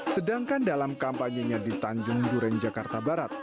sedangkan dalam kampanye nya di tanjung juren jakarta barat